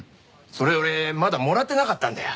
それ俺まだもらってなかったんだよ。